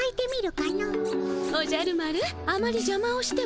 おじゃる丸あまりじゃまをしてはいけませんよ。